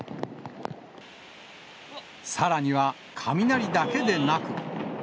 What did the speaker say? さらには、雷だけでなく。